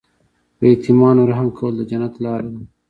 په یتیمانو رحم کول د جنت لاره ده.